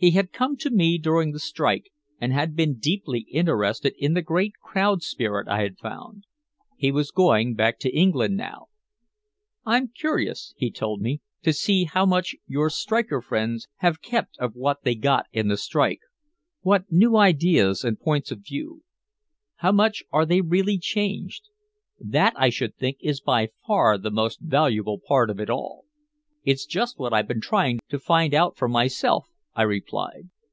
He had come to me during the strike and had been deeply interested in the great crowd spirit I had found. He was going back to England now. "I'm curious," he told me, "to see how much your striker friends have kept of what they got in the strike what new ideas and points of view. How much are they really changed? That, I should think, is by far the most valuable part of it all." "It's just what I've been trying to find out for myself," I replied.